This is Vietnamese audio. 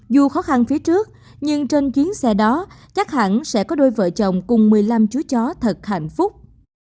dù khó khăn phía trước nhưng trên chuyến xe đó chắc hẳn sẽ có đôi vợ chồng cùng một mươi năm chú chó thật hạnh phúc